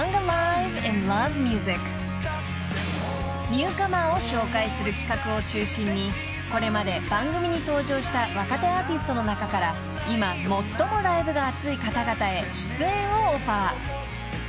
［ニューカマーを紹介する企画を中心にこれまで番組に登場した若手アーティストの中から今最もライブが熱い方々へ出演をオファー］